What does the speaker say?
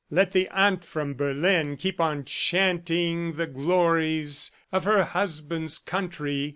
Let the "aunt from Berlin" keep on chanting the glories of her husband's country!